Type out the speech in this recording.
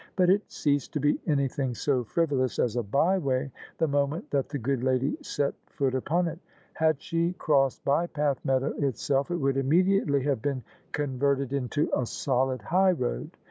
But it ceased to be anjrtfaing so frivolous as a by way the moment that the good lady set foot upon it. Had she crossed Bypath Meadow itself, it would immediately have been converted into a solid highroad.